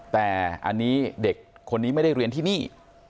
แต่อันนี้เด็กคนนี้ไม่ได้เรียนที่นี่